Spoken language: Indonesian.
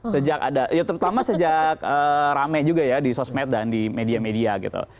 sejak ada ya terutama sejak rame juga ya di sosmed dan di media media gitu